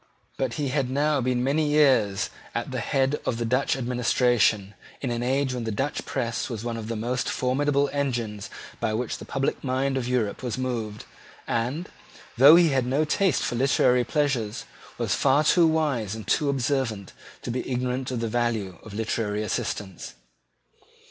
But he had now been many years at the head of the Dutch administration, in an age when the Dutch press was one of the most formidable engines by which the public mind of Europe was moved, and, though he had no taste for literary pleasures, was far too wise and too observant to be ignorant of the value of literary assistance.